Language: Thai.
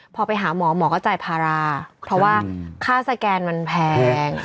พอไปหาหมอหมอก็จ่ายภาระเพราะว่าค่าสแกนมันแพง